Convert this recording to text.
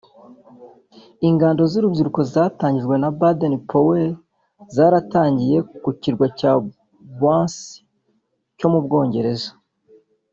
Ingando z’urubyiruko zatangijwe na Baden Powell zaratangiye ku kirwa cya Brownsea mu Bwongereza